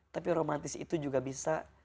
tapi romantis itu juga bisa